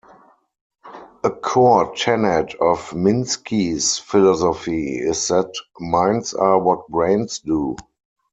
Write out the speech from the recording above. A core tenet of Minsky's philosophy is that "minds are what brains do".